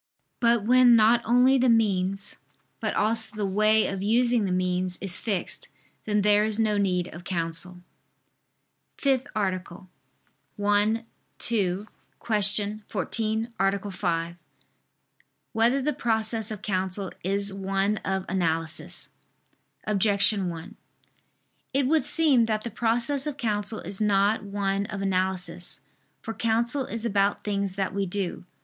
But when not only the means, but also the way of using the means, is fixed, then there is no need of counsel. ________________________ FIFTH ARTICLE [I II, Q. 14, Art. 5] Whether the Process of Counsel Is One of Analysis? Objection 1: It would seem that the process of counsel is not one of analysis. For counsel is about things that we do.